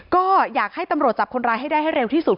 ก็อยากให้ตำรวจจับคนร้ายให้ได้ให้เร็วที่สุด